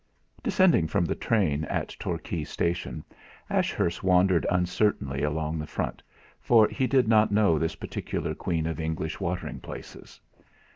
7 Descending from the train at Torquay station, Ashurst wandered uncertainly along the front, for he did not know this particular queen of English watering places.